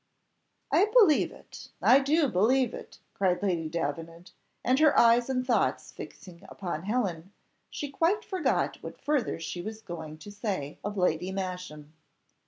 "I believe it I do believe it," cried Lady Davenant, and, her eyes and thoughts fixing upon Helen, she quite forgot what further she was going to say of Lady Masham.